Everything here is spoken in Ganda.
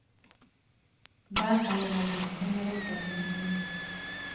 Baakayana ku masanyalaze amatono.